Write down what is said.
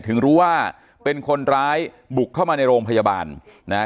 ถึงรู้ว่าเป็นคนร้ายบุกเข้ามาในโรงพยาบาลนะฮะ